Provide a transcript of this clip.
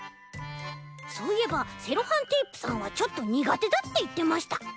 そういえばセロハンテープさんはちょっとにがてだっていってました。